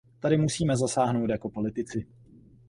Tady musíme zasáhnout jako politici.